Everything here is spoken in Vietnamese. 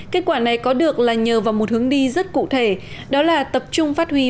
kết quả này có được là nhờ vào một hướng đi rất cụ thể đó là tập trung phát huy